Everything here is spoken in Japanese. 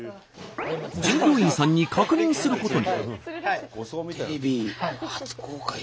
従業員さんに確認することに。